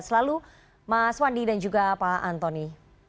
terima kasih juga pak antoni